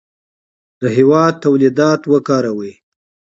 د هېواد تولیدات وکاروئ.